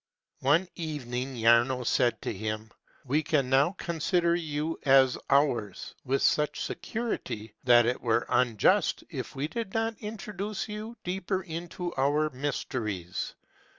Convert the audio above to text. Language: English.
One evening Jaruo said to him, "We can now consider you as ours, with such security, that it were unjust i f we did not introduce you deeper into our mysteries.